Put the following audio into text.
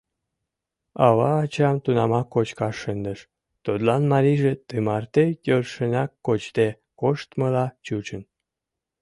Ава ачам тунамак кочкаш шындыш, тудлан марийже ты марте йӧршынак кочде коштмыла чучын.